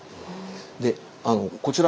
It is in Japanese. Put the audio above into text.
でこちら。